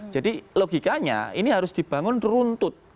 jadi logikanya ini harus dibangun runtut